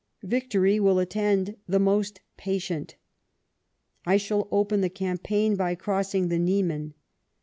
Victory will attend the most patient. I shall open tlio campaign by crossing the Niemen.